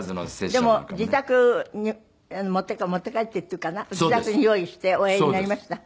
でも自宅に持って帰ってっていうか自宅に用意しておやりになりました？